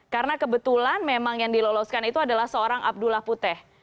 karena kebetulan memang yang diloloskan itu adalah seorang abdullah putih